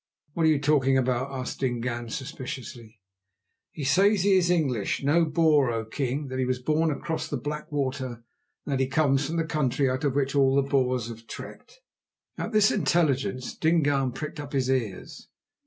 "What are you talking about?" asked Dingaan suspiciously. "He says he is English, no Boer, O king; that he was born across the Black Water, and that he comes from the country out of which all the Boers have trekked." At this intelligence Dingaan pricked up his ears.